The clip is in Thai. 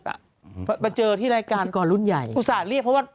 มาเจอที่รายการอุตส่าห์เรียบ